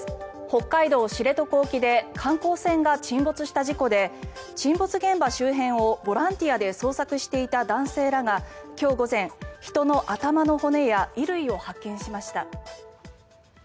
北海道・知床沖で観光船が沈没した事故で沈没現場周辺をボランティアで捜索していた男性らが今日午前、人の頭の骨や衣類を発見しました。